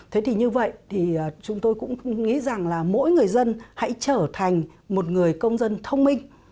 thế thì như vậy thì chúng tôi cũng nghĩ rằng là mỗi người dân hãy trở thành một người công dân thông minh